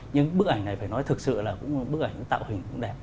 nhưng bức ảnh này phải nói thực sự là cũng bức ảnh tạo hình cũng đẹp